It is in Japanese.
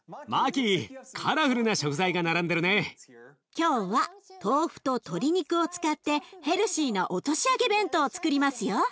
今日は豆腐と鶏肉を使ってヘルシーな落とし揚げ弁当をつくりますよ。